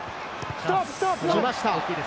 来ました。